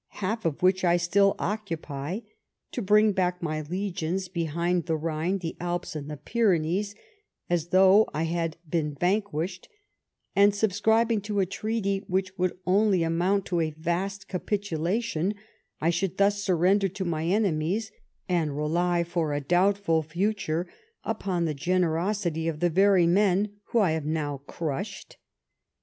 half of which I still occupy, to bring back my legions behind the Rhine, the Alps, and the Pyrenees, as though I had been vanquished ; and subscribing to a treaty which would only amount to a vast capitulation, I should thus surrender to my enemies, and rely, for a doubtful future^ upon the generosity of the very men whom I have now crushed